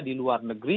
di luar negeri